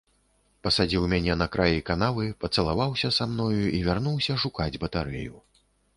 Пасадзіў мяне на краі канавы, пацалаваўся са мною і вярнуўся шукаць батарэю.